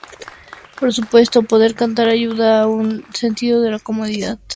Por supuesto, poder cantar ayuda a dar un sentido de la comodidad.